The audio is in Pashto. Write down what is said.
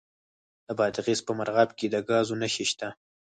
د بادغیس په مرغاب کې د ګازو نښې شته.